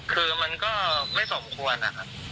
คือมันก็ไม่สมควรนะครับ